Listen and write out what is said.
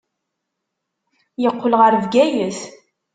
Yeqqel ɣer Bgayet.